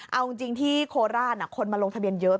เอาจริงที่โคราชคนมาลงทะเบียนเยอะ